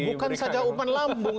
bukan saja umpan lambung